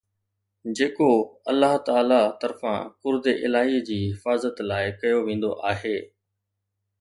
جيڪو الله تعاليٰ طرفان ڪرد الاهي جي حفاظت لاءِ ڪيو ويندو آهي